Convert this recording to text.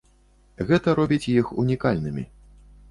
Гэта робіць іх унікальнымі.